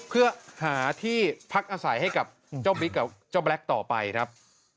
เพื่อหาที่พักอาศัยให้กับเจ้าบิ๊กกับเจ้าแบล็คต่อไปครับ